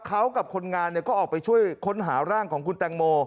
เขากับคนงานก็ออกไปช่วยค้นหาร่างของคุณแตงโม